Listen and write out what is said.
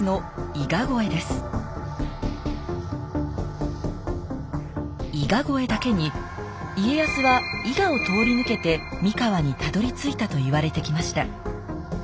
伊賀越えだけに家康は伊賀を通り抜けて三河にたどりついたと言われてきました。